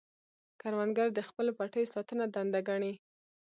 کروندګر د خپلو پټیو ساتنه دنده ګڼي